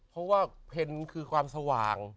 เพราะว่าเพ็ญคือความสว่าง